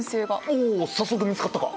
おお早速見つかったか？